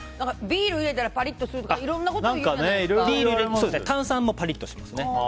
ビールを入れたらパリッとするとか炭酸もパリッとしますね。